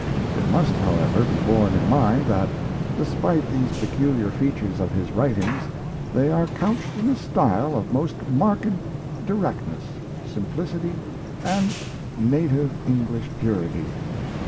It must, however, be borne in mind that, despite these peculiar features of his writings, they are couched in a style of most marked directness, simplicity and native English purity.